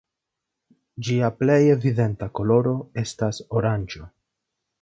Ĝia plej evidenta koloro estas oranĝo.